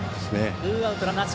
ツーアウト、満塁。